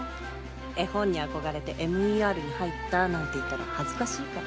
絵本に憧れてＭＥＲに入ったなんて言ったら恥ずかしいから